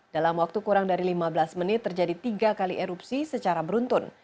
dalam waktu kurang dari lima belas menit terjadi tiga kali erupsi secara beruntun